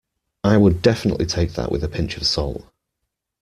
I would definitely take that with a pinch of salt